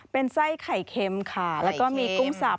เป็นไส้ไข่เค็มค่ะแล้วก็มีกุ้งสับ